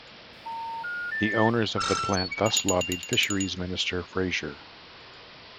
The owners of the plant thus lobbied fisheries minister Fraser.